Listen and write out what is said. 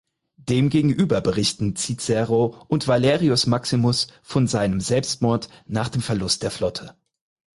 Demgegenüber berichten Cicero und Valerius Maximus von seinem Selbstmord nach dem Verlust der Flotte.